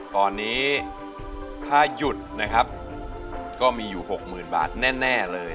ตอนนี้ถ้าหยุดนะครับก็มีอยู่๖๐๐๐บาทแน่เลย